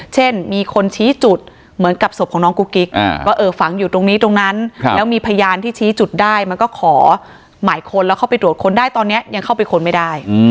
เช่นมีคนชี้จุดเหมือนกับศพของน้องกุ๊กกิ๊กว่าเออฝังอยู่ตรงนี้ตรงนั้นแล้วมีพยานที่ชี้จุดได้มันก็ขอหมายค้นแล้วเข้าไปตรวจค้นได้ตอนนี้ยังเข้าไปค้นไม่ได้